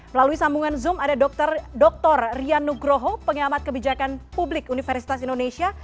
melalui sambungan zoom ada dr rian nugroho pengamat kebijakan publik universitas indonesia